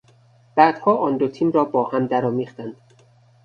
بعدها آن دو تیم را با هم در آمیختند.